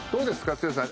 剛さん